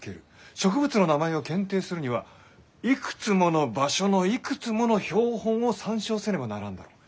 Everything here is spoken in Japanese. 植物の名前を検定するにはいくつもの場所のいくつもの標本を参照せねばならんだろう？